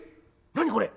何これ。